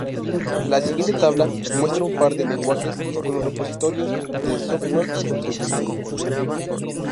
La siguiente tabla muestra un par de lenguajes con los repositorios de software contribuido.